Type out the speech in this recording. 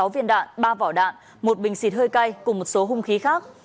ba mươi sáu viên đạn ba vỏ đạn một bình xịt hơi cay cùng một số hung khí khác